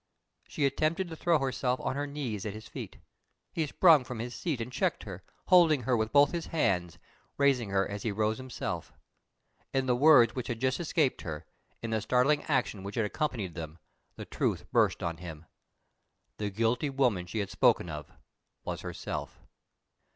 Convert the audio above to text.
_" She attempted to throw herself on her knees at his feet. He sprung from his seat and checked her, holding her with both his hands, raising her as he rose himself. In the words which had just escaped her, in the startling action which had accompanied them, the truth burst on him. The guilty woman she had spoken of was herself!